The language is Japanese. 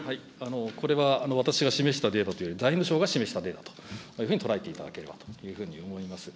これは私が示したデータというより、財務省が示したデータというふうに捉えていただければと思います。